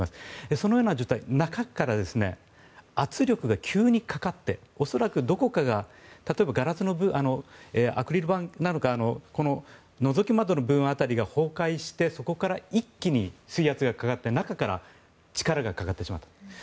そのような状態で中から圧力が急にかかって恐らくどこかが例えば、ガラスのアクリル板なのかこののぞき窓の部分辺りが崩壊してそこから一気に水圧がかかって中から力がかかってしまった。